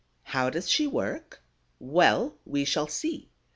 How does she work? Well, we shall see.